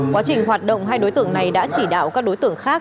quá trình hoạt động hai đối tượng này đã chỉ đạo các đối tượng khác